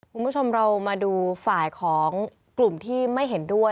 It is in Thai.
คุณผู้ชมเรามาดูฝ่ายของกลุ่มที่ไม่เห็นด้วย